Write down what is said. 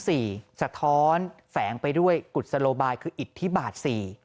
สะท้อนแฝงไปด้วยกุศโลบายคืออิทธิบาท๔